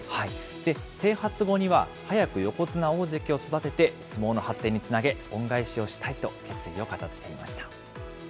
整髪後には、早く横綱、大関を育てて、相撲の発展につなげ、恩返しをしたいと決意を語っていました。